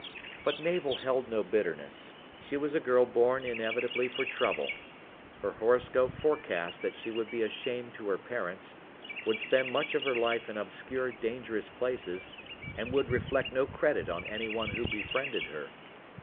But Navel held no bitterness. She was a girl born inevitably for trouble her horoscope forecast that she would be a shame to her parents, would spend much of her life in obscure, dangerous places, and would reflect no credit on anyone who befriended her.